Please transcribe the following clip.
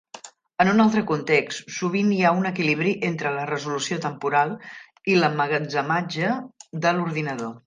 En un altre context, sovint hi ha un equilibri entre la resolució temporal i l'emmagatzematge de l'ordinador.